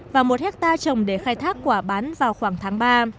và một hectare trồng để khai thác quả bán vào khoảng tháng ba